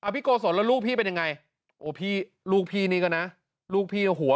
โกศลแล้วลูกพี่เป็นยังไงโอ้พี่ลูกพี่นี่ก็นะลูกพี่หัว